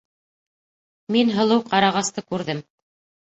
Мин Һылыу ҡарағасты күрҙем!